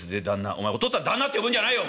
「お前お父っつぁん旦那って呼ぶんじゃないよ！